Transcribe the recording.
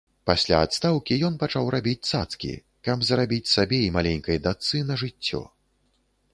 Пасля адстаўкі ён пачаў рабіць цацкі, каб зарабіць сабе і маленькай дачцы на жыццё.